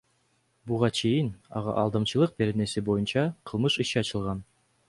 Буга чейин ага Алдамчылык беренеси боюнча кылмыш иши ачылган.